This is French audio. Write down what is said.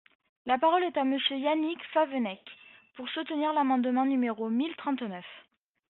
La parole est à Monsieur Yannick Favennec, pour soutenir l’amendement numéro mille trente-neuf.